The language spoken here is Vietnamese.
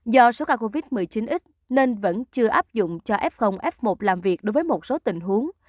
do số ca covid một mươi chín ít nên vẫn chưa áp dụng cho f f một làm việc đối với một số tình huống